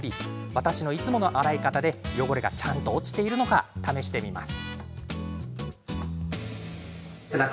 私のいつもの洗い方で汚れが、ちゃんと落ちているのか試してみます。